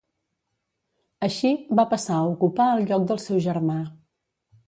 Així va passar a ocupar el lloc del seu germà.